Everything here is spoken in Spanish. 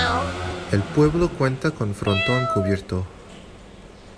El pueblo cuenta con frontón cubierto.